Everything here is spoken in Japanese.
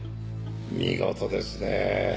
見事ですね。